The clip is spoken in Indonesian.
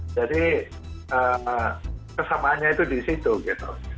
jadi kesamaannya itu di situ gitu